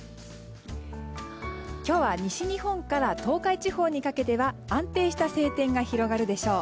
今日は西日本から東海地方にかけては安定した晴天が広がるでしょう。